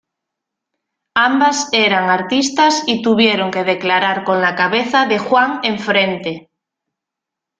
Ambas eran artistas y tuvieron que declarar con la cabeza de Juan enfrente.